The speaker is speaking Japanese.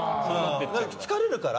疲れるから。